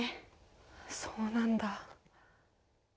そうなんだ。